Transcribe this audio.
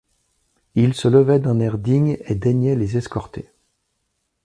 Il se levait d’un air digne et daignait les escorter.